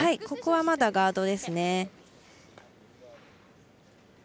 ここはまだガードですね。